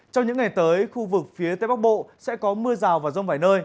trong những ngày tới khu vực phía tây bắc bộ sẽ có mưa rào và rông vài nơi